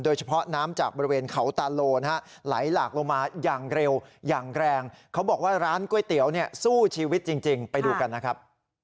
โดยเฉพาะน้ำจากบริเวณเขาตาโลนะฮะไหลหลากลงมาอย่างเร็วอย่างแรงเขาบอกว่าร้านก๋วยเตี๋ยวเนี่ยสู้ชีวิตจริงไปดูกันนะครับ